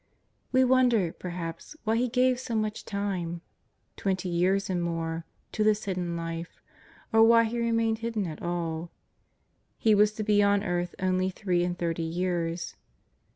We wonder, perhaps, why He gave so much time — twenty years and more — to this Hidden Life, or why He remained hidden at all. He was to be on earth only three and thirty years.